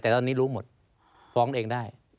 แต่ตอนนี้รู้หมดฟ้องเองได้